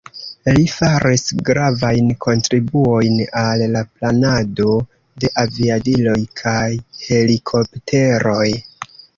Li faris gravajn kontribuojn al la planado de aviadiloj kaj helikopteroj.